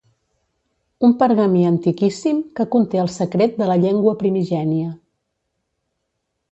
Un pergamí antiquíssim que conté el secret de la llengua primigènia.